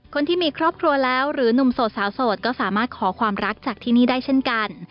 คนที่มีครอบครัวแล้วหรือหนุ่มโสดสาวโสดก็สามารถขอความรักจากที่นี่ได้เช่นกัน